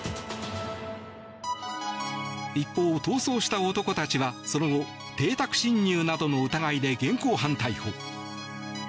一方、逃走した男たちはその後、邸宅侵入などの疑いで現行犯逮捕。